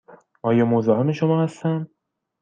آیا مزاحم شما هستم؟